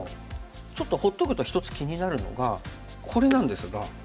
ちょっと放っとくとひとつ気になるのがこれなんですが。